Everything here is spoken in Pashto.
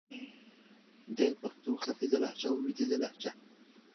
د پښتو ختیځه لهجه او لويديځه لهجه